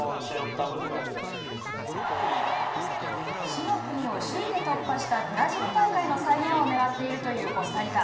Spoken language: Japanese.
死の組を首位で突破したブラジル大会の再現をねらっているというコスタリカ。